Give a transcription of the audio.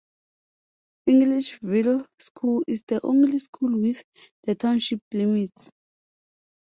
Englishville School is the only school within the township limits.